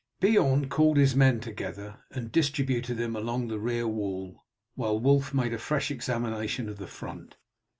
Beorn called his men together and distributed them along the rear wall, while Wulf made a fresh examination of the front.